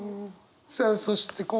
さあそして